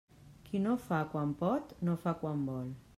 Qui no fa quan pot, no fa quan vol.